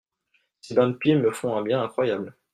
Ces bains de pieds me font un bien incroyable…